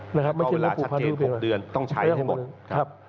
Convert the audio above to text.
เวลาชัดเจน๖เดือนต้องใช้ให้หมด